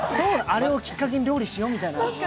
あれをきっかけに料理しようみたいな？